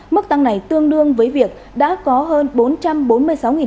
mức tăng này tương đương với việc đã có hơn bốn năm triệu tỷ đồng